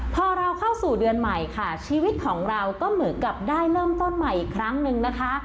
พอเราเข้าสู่เดือนใหม่ค่ะชีวิตของเราก็เหมือนกับได้เริ่มต้นใหม่อีกครั้งหนึ่งนะคะ